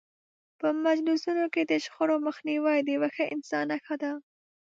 په مجلسونو کې د شخړو مخنیوی د یو ښه انسان نښه ده.